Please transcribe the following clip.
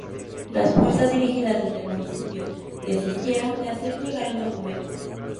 Las fuerzas dirigidas desde el municipio desistieron de hacer llegar el documento.